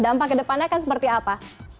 dampak ke depannya akan seperti apa